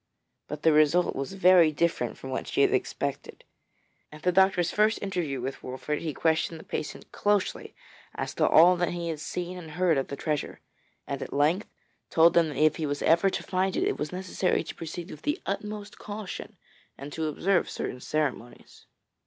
But the result was very different from what she had expected. At the doctor's first interview with Wolfert he questioned the patient closely as to all that he had seen and heard of the treasure, and at length told him that if he was ever to find it, it was necessary to proceed with the utmost caution and to observe certain ceremonies.